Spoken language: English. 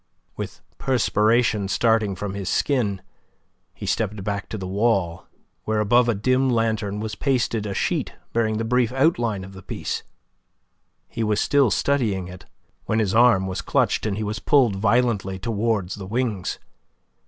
With the perspiration starting from his skin, he stepped back to the wall, where above a dim lantern was pasted a sheet bearing the brief outline of the piece. He was still studying it, when his arm was clutched, and he was pulled violently towards the wings.